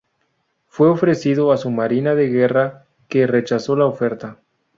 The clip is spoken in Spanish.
Fue ofrecido a su marina de guerra que rechazó la oferta.